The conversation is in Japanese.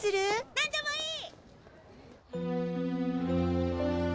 何でもいい！